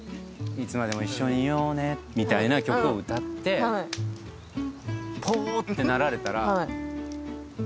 「いつまでも一緒にいようね」みたいな曲を歌ってぽーってなられたら。